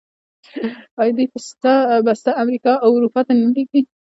آیا دوی پسته امریکا او اروپا ته نه لیږي؟